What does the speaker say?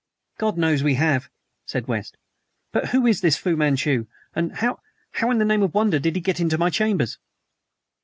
"God knows we have!" said West. "But who is this Fu Manchu, and how how in the name of wonder did he get into my chambers?"